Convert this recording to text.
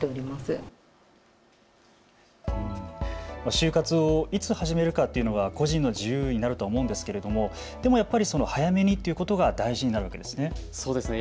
終活をいつ始めるかというのは個人の自由になるとは思うのですが、やっぱり早めにということが大事になるわけですね。